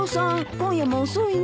今夜も遅いね。